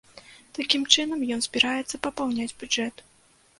Такім чынам ён збіраецца папаўняць бюджэт.